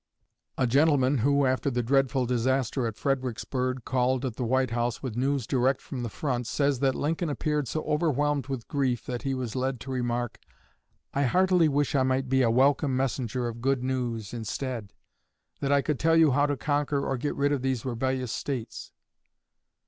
A gentleman who, after the dreadful disaster at Fredericksburg, called at the White House with news direct from the front, says that Lincoln appeared so overwhelmed with grief that he was led to remark, "I heartily wish I might be a welcome messenger of good news instead, that I could tell you how to conquer or get rid of these rebellious States."